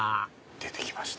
出て来ました。